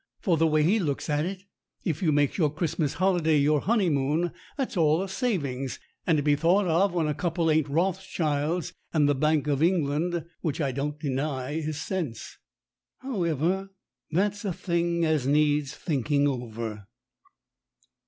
For the way he looks at it, if you makes your Christmas holiday your honeymoon, that's all a saving, and to be thought of when a couple ain't Rothschilds and the Bank of England, which I don't deny is sense. However, that's a thing as needs thinking over.